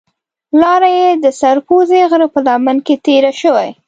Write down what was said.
لار یې د سر پوزې غره په لمن کې تېره شوې.